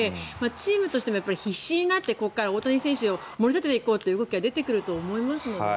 チームとしても必死になってここから大谷選手を盛り立てていこうという動きが出てくると思いますね。